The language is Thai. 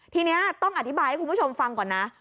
ทีนี้ต้องอธิบายให้คุณผู้ชมฟังก่อนนะ